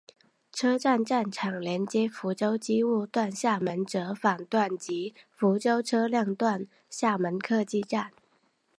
车站站场连接福州机务段厦门折返段及福州车辆段厦门客技站。